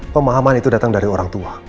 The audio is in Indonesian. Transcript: pemahaman itu datang dari orang tua